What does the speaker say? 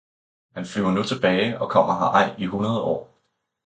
han flyver nu tilbage og kommer her ej i hundrede år.